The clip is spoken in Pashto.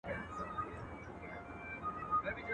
چي د خرس پر دوکان اوسې، خرس ورگجن دئ، ورگ به يوسې.